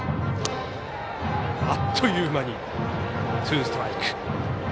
あっという間にツーストライク。